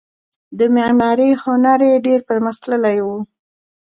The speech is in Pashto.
د معمارۍ هنر یې ډیر پرمختللی و